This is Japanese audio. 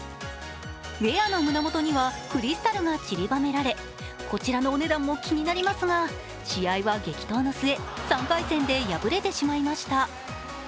ウエアの胸元にはクリスタルがちりばめられこちらのお値段も気になりますが試合は激闘の末３回戦で敗れてしまいました。